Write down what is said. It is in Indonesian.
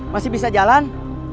masih bisa jalan